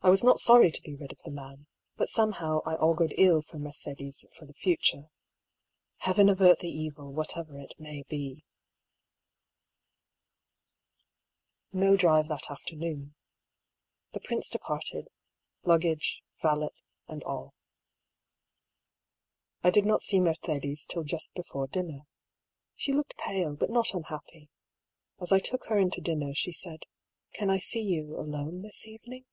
I was not sorry to be rid of the man ; but somehow I augured ill for Mercedes for the future. Heaven avert the evil, whatever it may be I No drive that afternoon. The prince departed, lug gage, valet, and all. I did not see Mercedes till just before dinner. She looked pale, but not unhappy. As I took her in to dinner, she said :" Can I see you, alone, this evening?"